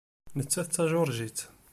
Nettat d Tajuṛjit.